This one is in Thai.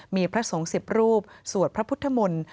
มีพระสงฆ์๑๐รูปสวดพระพุทธมนต์